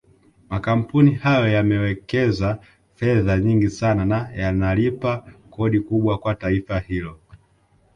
Makampuni hayo yamewekeza fedha nyingi sana na yanalipa kodi kubwa kwa taifa hilo